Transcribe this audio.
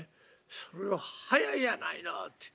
それを『早いやないの』って。